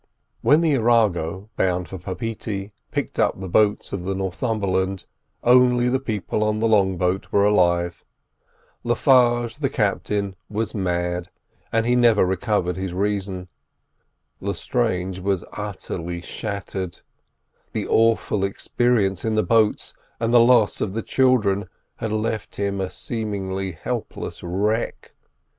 When the Arago, bound for Papetee, picked up the boats of the Northumberland, only the people in the long boat were alive. Le Farge, the captain, was mad, and he never recovered his reason. Lestrange was utterly shattered; the awful experience in the boats and the loss of the children had left him a seemingly helpless wreck.